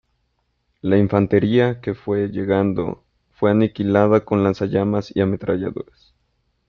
La infantería que fue llegando fue aniquilada con lanzallamas y ametralladoras.